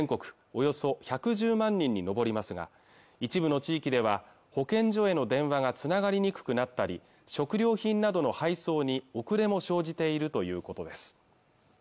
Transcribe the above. およそ１１０万人に上りますが一部の地域では保健所への電話がつながりにくくなったり食料品などの配送に遅れも生じているということです